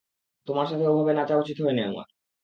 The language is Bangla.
তোমার সাথে ওভাবে নাচা উচিত হয়নি আমার।